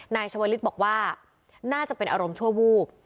นายชวลิศบอกว่าน่าจะเป็นอารมณ์ชั่ววูบ